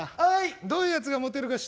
どういうやつがモテるか知ってる？